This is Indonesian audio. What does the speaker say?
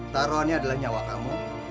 taruhannya adalah nyawa kamu